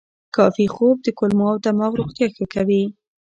کافي خوب د کولمو او دماغ روغتیا ښه کوي.